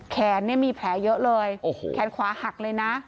แขนเนี่ยมีแผลเยอะเลยโอ้โหแขนขวาหักเลยนะ